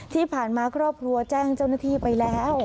ที่ผ่านมาครอบครัวแจ้งเจ้าหน้าที่ไปแล้ว